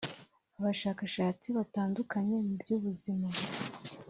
Abashakashatsi batandukanye mu by’ubuzima